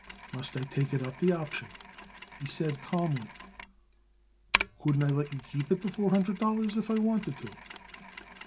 "Must I take it up the option?" he said calmly. "Couldn't I let you keep it the four hundred dollars if I wanted to?"